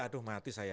aduh mati saya